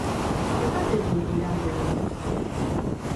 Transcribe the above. Zenbat egun iraungo genituzke?